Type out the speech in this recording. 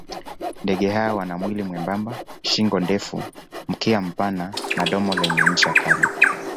Ndege hawa wana mwili mwembamba, shingo ndefu, mkia mpana na domo lenye ncha kali.